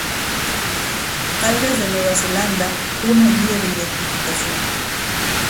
Algas de Nueva Zelanda: Una Guía de Identificación.